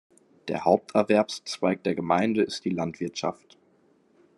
Der Haupterwerbszweig der Gemeinde ist die Landwirtschaft.